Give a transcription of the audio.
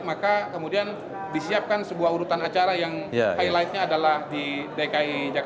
maka kemudian disiapkan sebuah urutan acara yang highlightnya adalah di dki jakarta